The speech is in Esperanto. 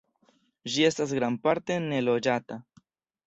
Ĝi estas grandparte neloĝata.